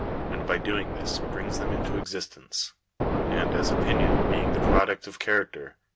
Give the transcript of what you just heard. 427), and by doing this brings them into existence. And as opinion, being the product of character (pp.